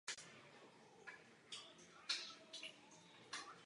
Na čem nebo na kom bude dopad měřen?